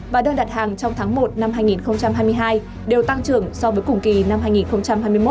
và đơn đặt hàng trong tháng một năm hai nghìn hai mươi hai đều tăng trưởng so với cùng kỳ năm hai nghìn hai mươi một